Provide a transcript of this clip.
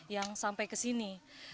yang sampai kesini